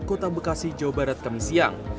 kota bekasi jawa barat kami siang